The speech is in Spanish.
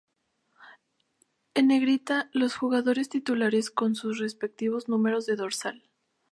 En negrita los jugadores titulares con sus respectivos números de dorsal.